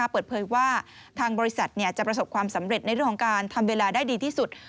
เปิดเผยว่าทางบริษัทจะประสบความสำเร็จในเรื่องของการทำเวลาได้ดีที่สุด